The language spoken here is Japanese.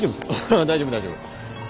あぁ大丈夫大丈夫。